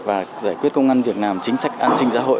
và giải quyết công an việt nam chính sách an sinh gia hội